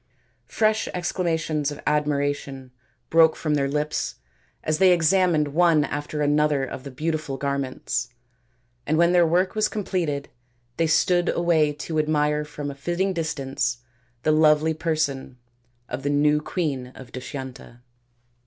Fresh exclamations of admiration broke from their lips as they examined one after another of the beautiful garments, and when their work was completed they stood away to admire from a fitting distance the lovely person of the new queen of Dushyanta.